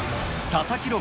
佐々木朗